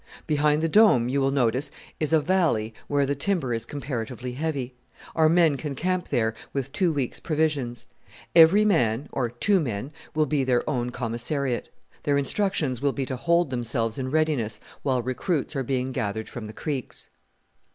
"Behind the Dome, you will notice, is a valley where the timber is comparatively heavy. Our men can camp there with two weeks' provisions. Every man or two men will be their own commissariat. Their instructions will be to hold themselves in readiness while recruits are being gathered from the creeks."